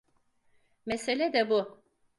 Mesele de bu.